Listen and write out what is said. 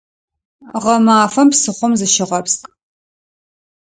Гъэмафэм псыхъом зыщыгъэпскӏ!